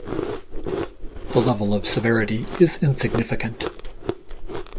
The level of severity is insignificant.